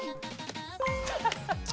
ハハハッ。